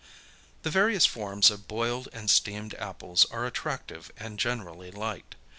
The various forms of boiled and steamed apples are attractive and generally liked.